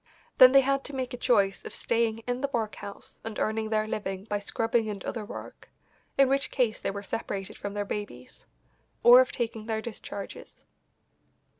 Then they had to make a choice of staying in the workhouse and earning their living by scrubbing and other work, in which case they were separated from their babies; or of taking their discharges.